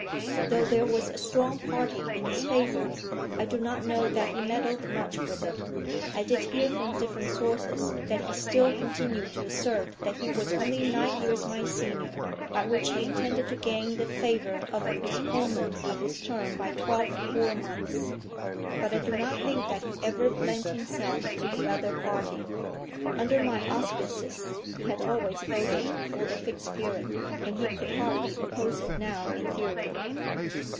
Though there was a strong party in his favour, I do not know that he meddled much with it. I did hear from different sources that he still continued to assert that he was only nine years my senior, by which he intended to gain the favour of a postponement of his term by twelve poor months; but I do not think that he ever lent himself to the other party. Under my auspices he had always voted for the Fixed Period, and he could hardly oppose it now in theory.